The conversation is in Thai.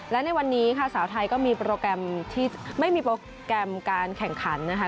และในวันนี้ค่ะสาวไทยก็มีโปรแกรมที่ไม่มีโปรแกรมการแข่งขันนะคะ